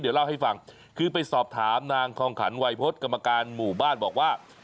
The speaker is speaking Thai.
เดี๋ยวเล่าให้ฟังคือไปสอบถามนางคองขันวัยพฤษกรรมการหมู่บ้านบอกว่า